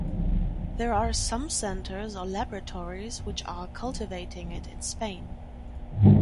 There are some centers or laboratories which are cultivating it in Spain.